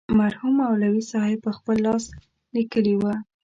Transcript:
مرحوم مولوي صاحب پخپل لاس لیکلې وه.